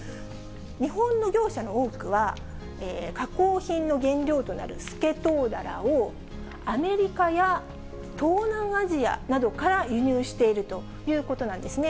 日本の業者の多くは、加工品の原料となるスケトウダラをアメリカや東南アジアなどから輸入しているということなんですね。